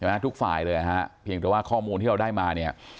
ทุกฝ่ายเลยนะฮะเพียงแต่ว่าข้อมูลที่เราได้มาเนี่ย